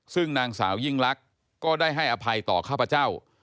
ซึ่งนางสาวยิ่งลักษณ์ก็ได้ให้อภัยต่อข้าพเจ้า